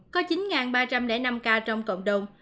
có chín ba trăm linh năm ca trong cộng đồng